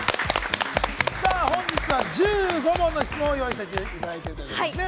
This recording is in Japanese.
本日は１５問の質問を用意させていただいてるんですよね。